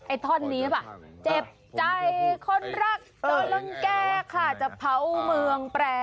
ไอ้ท่อนนี้หรือเปล่าเจ็บใจคนรักต้องลงแก่ค่ะจะเผาเมืองแปล